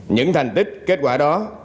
những thành tích kết quả đó